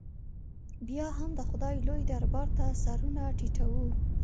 بیا هم د خدای لوی دربار ته سرونه ټیټو.